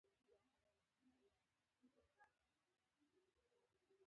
د حاصل د زیاتوالي لپاره د هوا د شرایطو ښه تحلیل پکار دی.